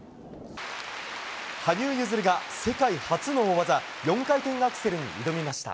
羽生結弦が世界初の大技４回転アクセルに挑みました。